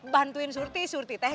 bantuin surti surti teh